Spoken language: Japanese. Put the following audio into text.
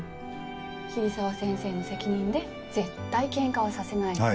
桐沢先生の責任で絶対喧嘩はさせないと？